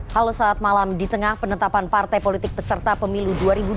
halo saat malam di tengah penetapan partai politik peserta pemilu dua ribu dua puluh